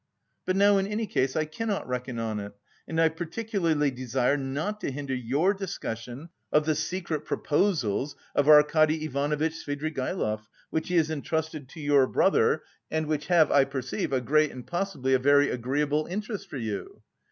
"But now in any case I cannot reckon on it, and I particularly desire not to hinder your discussion of the secret proposals of Arkady Ivanovitch Svidrigaïlov, which he has entrusted to your brother and which have, I perceive, a great and possibly a very agreeable interest for you."